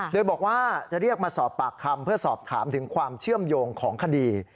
โดยบอกว่าจะเรียกมาสอบปากคำเพื่อสอบถามถึงความเชื่อมโยงของคดี